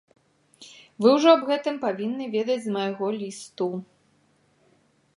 Вы ўжо аб гэтым павінны ведаць з майго лісту.